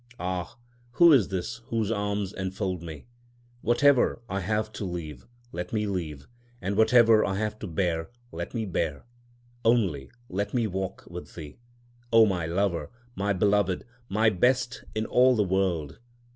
Ah, who is this whose arms enfold me? Whatever I have to leave, let me leave; and whatever I have to bear, let me bear. Only let me walk with thee, O my Lover, my Beloved, my Best in all the world.